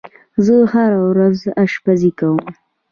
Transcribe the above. زه هره ورځ آشپزی کوم.